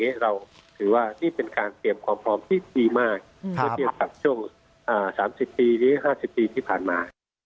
เรียกจากช่วง๓๐ปีหรือ๕๐ปีที่ผ่านมา